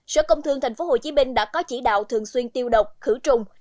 sở công thương tp hcm đã có chỉ đạo thường xuyên tiêu độc khử trùng